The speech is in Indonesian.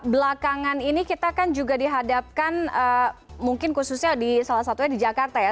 belakangan ini kita kan juga dihadapkan mungkin khususnya di salah satunya di jakarta ya